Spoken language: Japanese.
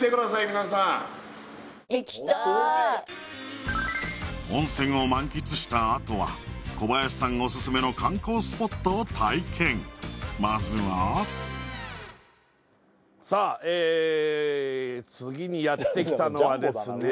皆さん行きたい温泉を満喫したあとは小林さんオススメの観光スポットを体験まずはさあえ次にやってきたのはですね